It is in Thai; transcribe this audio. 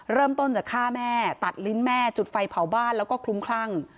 เริ่มต้นจากฆ่าแม่ตัดลิ้นแม่จุดไฟเผาบ้านแล้วก็คลุ้มคลั่ง